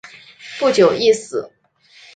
不久亦死。